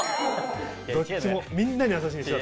どっちもみんなにやさしいでしょ。